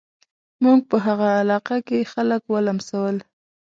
موږ په هغه علاقه کې خلک ولمسول.